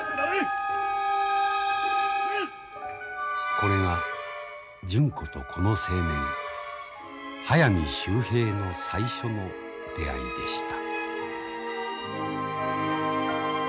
これが純子とこの青年速水秀平の最初の出会いでした。